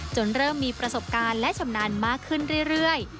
เริ่มมีประสบการณ์และชำนาญมากขึ้นเรื่อย